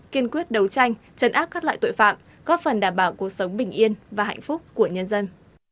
kiên quyết đấu tranh chấn áp các loại tội phạm góp phần đảm bảo cuộc sống bình yên và hạnh phúc của nhân dân